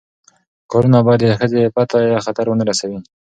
کارونه باید د ښځې عفت ته خطر ونه رسوي.